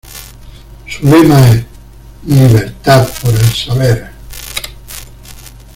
Su lema es: "Libertad por el saber".